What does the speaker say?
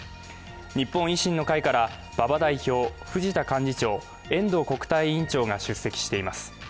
日本維新の会から馬場代表、藤田幹事長、遠藤国対委員長が出席しています。